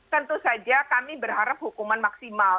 tentu saja kami berharap hukuman maksimal